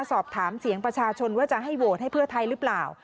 สอบถามเสียงประชาชนว่าจะให้โหวตให้เพื่อไทยหรือเปล่า